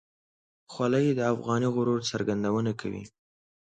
خولۍ د افغاني غرور څرګندونه کوي.